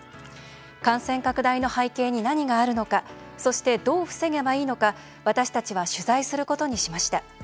感染拡大の背景に何があるのかそして、どう防げばいいのか私たちは取材することにしました。